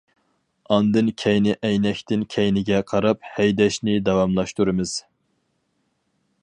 ئاندىن كەينى ئەينەكتىن كەينىگە قاراپ ھەيدەشنى داۋاملاشتۇرىمىز.